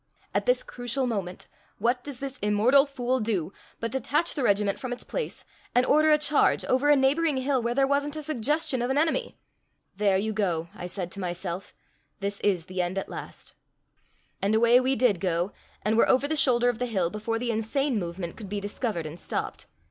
At this crucial moment, what does this immortal fool do but detach the regiment from its place and order a charge over a neighboring hill where there wasn't a suggestion of an enemy! "There you go!" I said to myself; "this is the end at last." And away we did go, and were over the shoulder of the hill before the insane movement could be discovered and stopped.